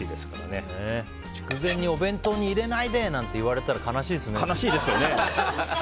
筑前煮お弁当に入れないでとか言われたら悲しいですね。